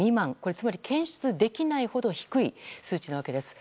つまり検出できないほど低い数値なわけです。